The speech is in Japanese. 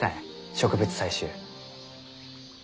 植物採集。